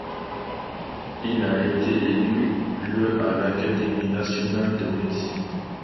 Il a été élu le à l'Académie nationale de médecine.